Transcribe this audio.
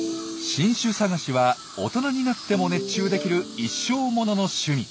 新種探しは大人になっても熱中できる一生ものの趣味。